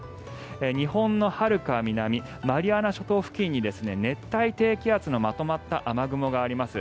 日本のはるか南マリアナ諸島付近に熱帯低気圧のまとまった雨雲があります。